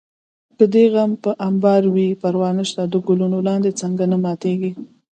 که دې غم په امبار وي پروا نشته د ګلونو لاندې څانګه نه ماتېږي